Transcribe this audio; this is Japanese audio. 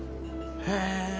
へえ